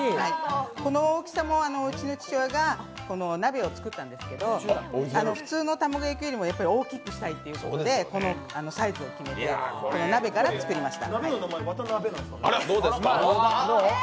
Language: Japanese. この大きさもうちの父親が鍋を作ったんですけど、普通の玉子焼き機よりも大きくしたいということでこのサイズの、鍋から作りました。